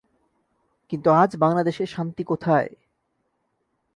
কিন্তু আজ বাংলাদেশে শান্তি কোথায়?